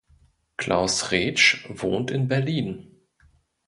Klaus Rätsch wohnt in Berlin.